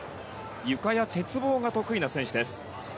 ゆかや鉄棒が得意な選手です。